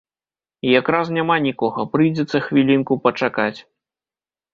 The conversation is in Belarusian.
Якраз няма нікога, прыйдзецца хвілінку пачакаць.